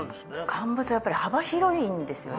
乾物やっぱり幅広いんですよね。